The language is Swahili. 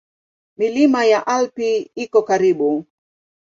Milima ya Alpi iko karibu.